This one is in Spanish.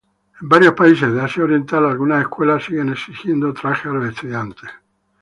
En varios países de Asia oriental, algunas escuelas siguen exigiendo traje a los estudiantes.